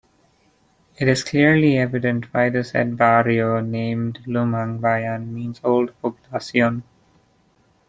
It is clearly evident why the said Barrio named Lumang Bayan means-Old Poblacion.